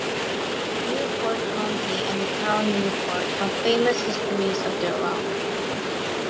Newport County and the town Newport have famous histories of their wealth.